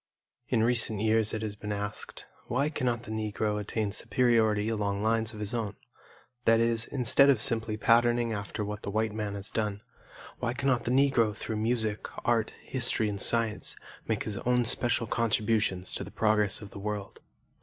In recent years it has been asked, "Why cannot the Negro attain superiority along lines of his own," that is, instead of simply patterning after what the white man has done, why cannot the Negro through music, art, history, and science, make his own special contributions to the progress of the world?